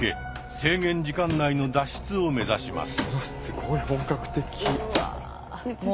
制限時間内の脱出を目指します。